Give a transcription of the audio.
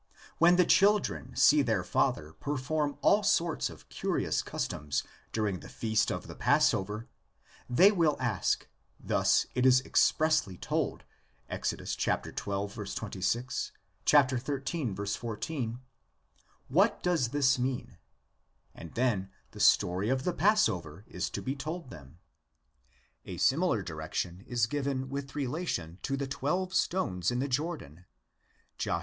When the children see their father perform all sorts of curious customs during the Feast of the Passover, they will ask — thus it is expressly told, Ex. xii. 26; xiii. 14 — What VARIETIES OF THE LEGENDS. 31 does this mean? and then the story of the Passover is to be told them. A similar direction is given with relation to the twelve stones in the Jordan (Josh.